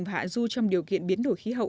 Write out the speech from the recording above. và hạ du trong điều kiện biến đổi khí hậu